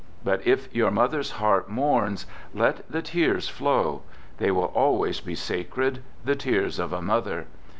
But if your mother's heart mourns, let the tears flow. They will always be sacred, the tears of a mother.